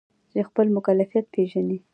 چې خپل مکلفیت پیژني.